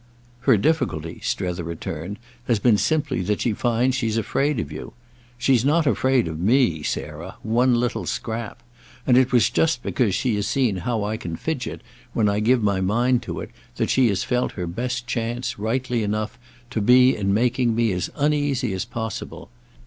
"Her difficulty," Strether returned, "has been simply that she finds she's afraid of you. She's not afraid of me, Sarah, one little scrap; and it was just because she has seen how I can fidget when I give my mind to it that she has felt her best chance, rightly enough to be in making me as uneasy as possible.